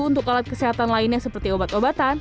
untuk alat kesehatan lainnya seperti obat obatan